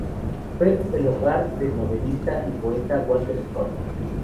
Fue el hogar del novelista y poeta Walter Scott.